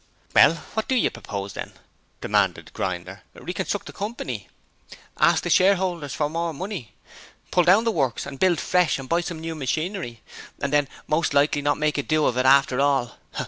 'Well, what do you propose, then?' demanded Grinder. 'Reconstruct the company? Ask the shareholders for more money? Pull down the works and build fresh, and buy some new machinery? And then most likely not make a do of it after all?